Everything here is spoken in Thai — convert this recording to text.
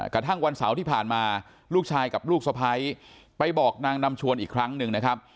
กระทั่งวันเสาร์ที่ผ่านมาลูกชายกับลูกสะพ้ายไปบอกนางนำชวนอีกครั้งหนึ่งนะครับ